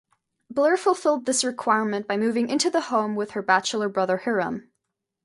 Blair fulfilled this requirement by moving into the home with her bachelor brother Hiram.